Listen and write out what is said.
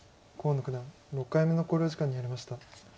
河野九段６回目の考慮時間に入りました。